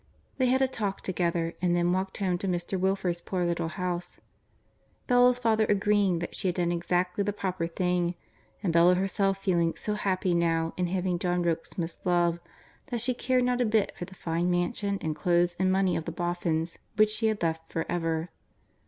They had a talk together and then walked home to Mr. Wilfer's poor little house, Bella's father agreeing that she had done exactly the proper thing, and Bella herself feeling so happy now in having John Rokesmith's love, that she cared not a bit for the fine mansion and clothes and money of the Boffins which she had left for ever.